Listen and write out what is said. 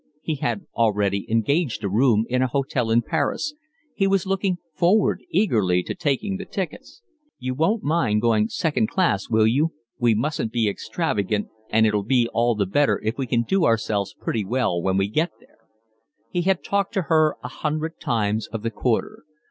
He had already engaged a room in a hotel in Paris. He was looking forward eagerly to taking the tickets. "You won't mind going second class, will you? We mustn't be extravagant, and it'll be all the better if we can do ourselves pretty well when we get there." He had talked to her a hundred times of the Quarter.